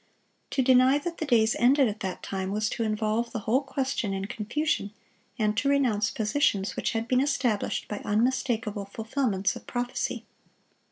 To deny that the days ended at that time was to involve the whole question in confusion, and to renounce positions which had been established by unmistakable fulfilments of prophecy.